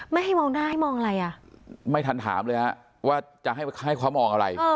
ไม่ให้มองหน้าให้มองอะไรอ่ะไม่ทันถามเลยฮะว่าจะให้เขามองอะไร